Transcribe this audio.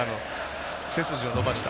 背筋を伸ばした。